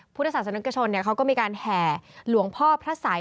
พุทธศาสนิกชนเขาก็มีการแห่หลวงพ่อพระสัย